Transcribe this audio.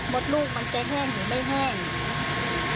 มดลูกมันจะแห้งหรือไม่แห้ง